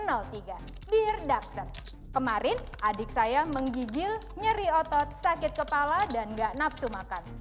dear doctor kemarin adik saya menggigil nyeri otot sakit kepala dan gak nafsu makan